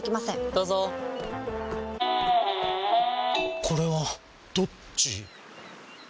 どうぞこれはどっち？